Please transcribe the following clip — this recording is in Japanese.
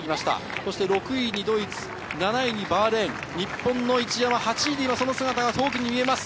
そして、７位にバーレーン、日本の一山は８位で姿が遠くに見えます。